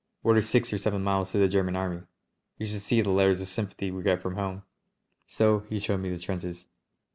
"What are six or seven miles to the German Army? You should see the letters of sympathy we get from home!" So he showed me the trenches.